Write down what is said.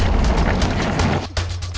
ah bagus takut kak